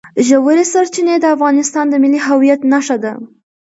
ژورې سرچینې د افغانستان د ملي هویت نښه ده.